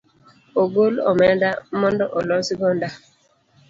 Ogol omenda mondo olos go nda